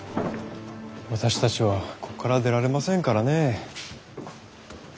私たちはここから出られませんからね。